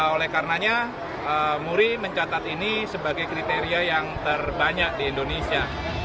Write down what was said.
oleh karenanya muri mencatat ini sebagai kriteria yang terbanyak di indonesia